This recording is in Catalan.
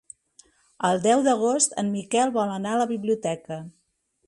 El deu d'agost en Miquel vol anar a la biblioteca.